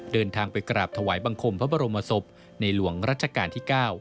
เดินทางไปกราบถวายบังคมพระบรมศพในหลวงรัชกาลที่๙